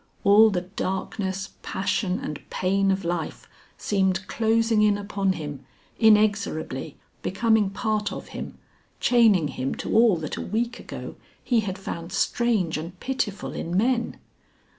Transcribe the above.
All the darkness, passion and pain of life seemed closing in upon him, inexorably, becoming part of him, chaining him to all that a week ago he had found strange and pitiful in men.